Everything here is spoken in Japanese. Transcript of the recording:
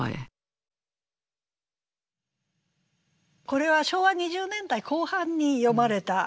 これは昭和２０年代後半に詠まれた歌です。